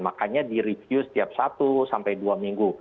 makanya di review setiap satu sampai dua minggu